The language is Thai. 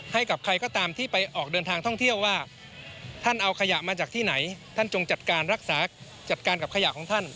ให้กับใครก็ตามที่ไปออกเดินทางท่องเที่ยวว่าท่านเอาขยะมาจากที่ไหนท่านจงจัดการรักษาจัดการกับขยะของท่าน